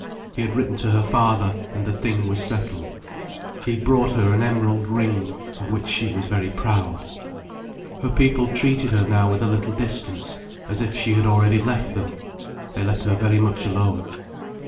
He had written to her father, and the thing was settled. He brought her an emerald ring, of which she was very proud. Her people treated her now with a little distance, as if she had already left them. They left her very much alone.